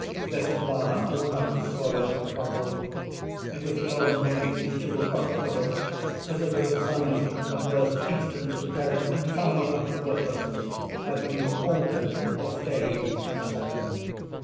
This last was much soiled and crumpled. It was torn nearly in two, across the middle—as if a design, in the first instance, to tear it entirely up as worthless, had been altered, or stayed, in the second.